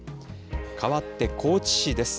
かわって高知市です。